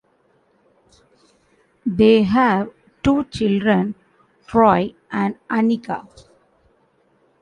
They have two children, Troy and Anika.